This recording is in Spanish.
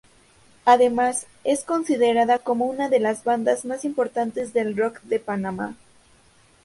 Además, es considerada como unas de las bandas más importantes de rock de Panamá.